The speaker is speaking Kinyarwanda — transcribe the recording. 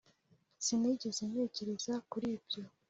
sinigeze ntekereza kuri ibyo